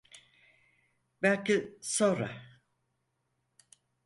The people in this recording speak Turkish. Belki sonra.